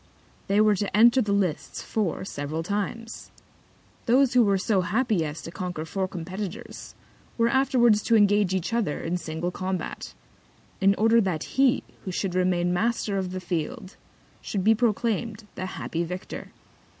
They were to enter the Lists four several Times. Those who were so happy as to conquer four Competitors, were afterwards to engage each other in single Combat; in order that he who should remain Master of the Field should be proclaim'd the happy Victor.